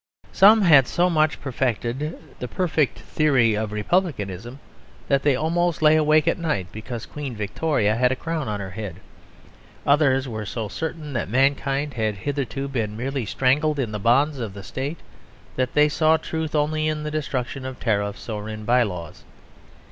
Some had so much perfected the perfect theory of republicanism that they almost lay awake at night because Queen Victoria had a crown on her head. Others were so certain that mankind had hitherto been merely strangled in the bonds of the State that they saw truth only in the destruction of tariffs or of by laws.